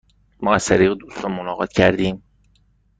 ما از طریق دوستان ملاقات کردیم.